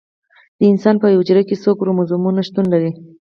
د انسان په یوه حجره کې څو کروموزومونه شتون لري